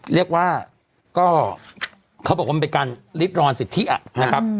เรียกว่าก็เขาบอกว่ามันเป็นการริดรอนสิทธินะครับ